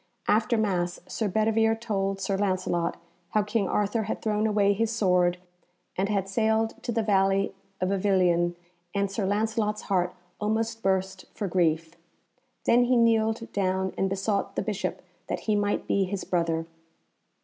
After Mass Sir Bedivere told Sir Lancelot how King Arthur had thrown away his sword and had sailed to the valley of Avilion, and Sir Lancelot's heart almost burst for grief. Then he kneeled down and besought the Bishop that he might be his brother.